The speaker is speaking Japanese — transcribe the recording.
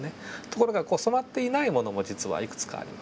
ところが染まっていないものも実はいくつかあります。